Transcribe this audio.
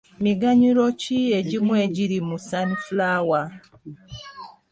Miganyulo ki egimu egiri mu sunflower?